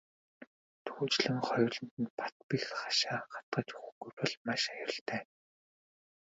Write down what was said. Түүнчлэн хоёуланд нь бат бэх хашаа хатгаж өгөхгүй бол маш аюултай.